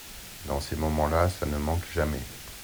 Dans ces moments-là, ça ne manque jamais…